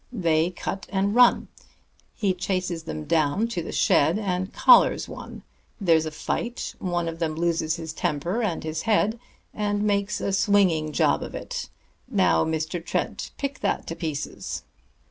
They cut and run; he chases them down to the shed, and collars one; there's a fight; one of them loses his temper and his head, and makes a swinging job of it. Now, Mr. Trent, pick that to pieces."